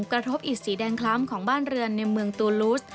กระทบอิดสีแดงคล้ำของบ้านเรือนในเมืองตูลูส